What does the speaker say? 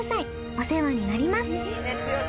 お世話になります。